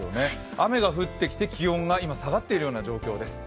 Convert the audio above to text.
雨が降ってきて、気温が今、下がっている状況です。